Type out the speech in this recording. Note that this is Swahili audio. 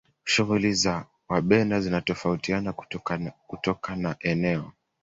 shughuli za wabena zinatofautiana kutoka na eneo